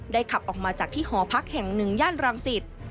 ขับออกมาจากที่หอพักแห่งหนึ่งย่านรังสิต